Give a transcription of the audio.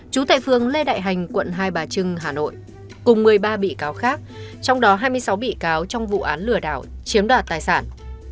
chú tại phường lê đại hành quận hai bà trưng hà nội cùng một mươi ba bị cáo khác trong đó hai mươi sáu bị cáo trong vụ án lừa đảo chiếm đoạt tài sản